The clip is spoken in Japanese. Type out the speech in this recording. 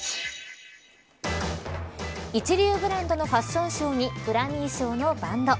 一流ブランドのファッションショーにグラミー賞のバンド。